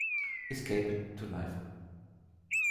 Escape to Life.